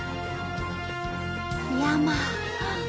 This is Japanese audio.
山！